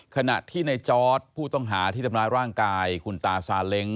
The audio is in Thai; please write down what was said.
ขณะที่ในจอร์ดผู้ต้องหาที่ทำร้ายร่างกายคุณตาซาเล้ง